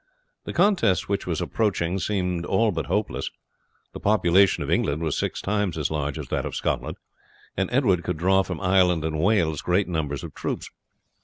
The contest which was approaching seemed all but hopeless. The population of England was six times as large as that of Scotland, and Edward could draw from Ireland and Wales great numbers of troops.